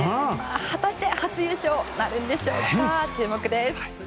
果たして初優勝なるんでしょうか注目です。